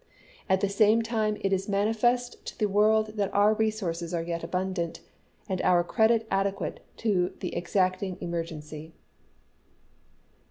At the same time it is manifest to the world that our resources are yet abundant, and our credit adequate to the exacting emergency."